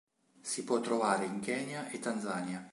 Si può trovare in Kenya e Tanzania.